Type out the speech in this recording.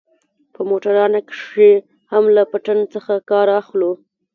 په موټرانو کښې هم له پټن څخه کار اخلو.